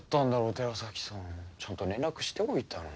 寺崎さん。ちゃんと連絡しておいたのに。